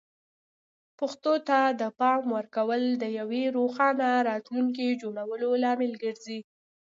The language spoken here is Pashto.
پښتو ته د پام ورکول د یوې روښانه راتلونکې جوړولو لامل ګرځي.